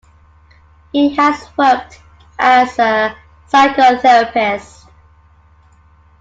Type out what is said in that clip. He has worked as a psychotherapist.